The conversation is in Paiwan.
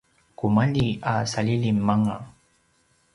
kumalji a salilim anga